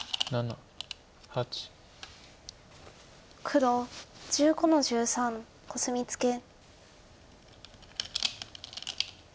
黒１５の十三コスミツケ。